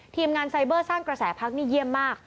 ทีมงานไซเบอร์สร้างกระแสพักนี่เยี่ยมมาก